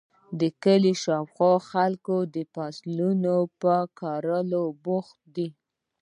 د کلي شااوخوا خلک د فصلونو په کرلو بوخت دي.